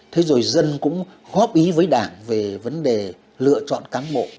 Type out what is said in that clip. thế rồi dân cũng góp ý với đảng về vấn đề lựa chọn cán bộ